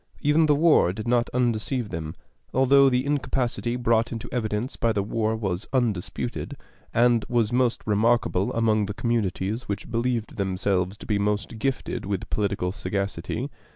Even the war did not undeceive them, although the incapacity brought into evidence by the war was undisputed, and was most remarkable among the communities which believed themselves to be most gifted with political sagacity.